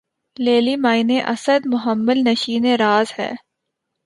لیلیِ معنی اسد! محمل نشینِ راز ہے